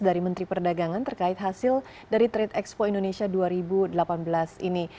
dari menteri perdagangan terkait hasil dari trade expo indonesia dua ribu delapan belas ini